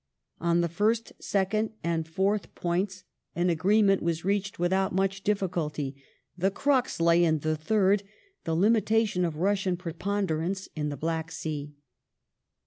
On the first, second, and fourth " Points " an agreement was reached without much difficulty; the crux lay in the third — the limitation of Russian preponderance in the Black Sea.